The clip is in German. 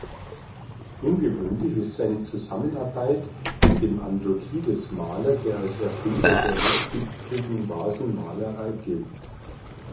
Ungewöhnlich ist seine Zusammenarbeit mit dem Andokides-Maler, der als Erfinder der rotfigurigen Vasenmalerei gilt.